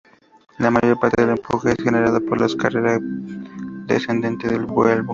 La mayor parte del empuje es generado en la carrera descendente del vuelo.